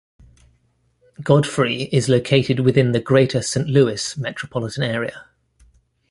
Godfrey is located within the Greater Saint Louis metropolitan area.